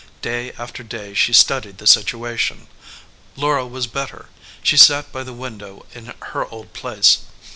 Day after day she studied the situation. Laura was better. She sat by the window in her old place.